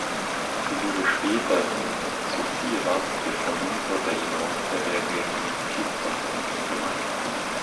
Sie wurde später in "Sociedad de Fomento del Norte de Reconquista" umbenannt.